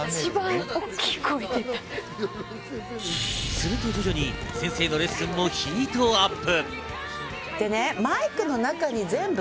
すると徐々に、先生のレッスンもヒートアップ。